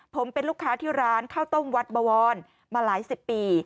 ผมเป็นลูกค้าที่ร้านข้าวต้มวัดบวรมาหลายสิบปี